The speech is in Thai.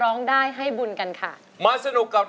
เพลงที่เจ็ดเพลงที่แปดแล้วมันจะบีบหัวใจมากกว่านี้